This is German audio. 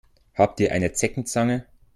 Habt ihr eine Zeckenzange?